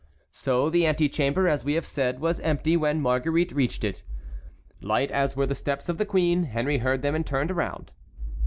So the antechamber, as we have said, was empty when Marguerite reached it. Light as were the steps of the queen, Henry heard them and turned round.